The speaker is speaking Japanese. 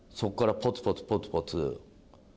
ポツポツポツポツ